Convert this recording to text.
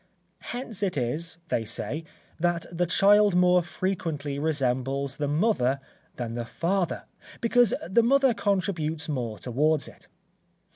Hence it is, they say, that the child more frequently resembles the mother than the father, because the mother contributes more towards it.